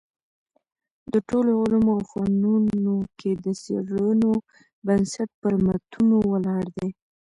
د ټولو علومو او فنونو کي د څېړنو بنسټ پر متونو ولاړ دﺉ.